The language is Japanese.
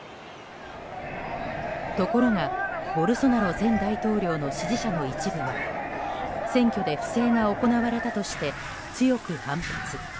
ところが、ボルソナロ前大統領の支持者の一部は選挙で不正が行われたとして強く反発。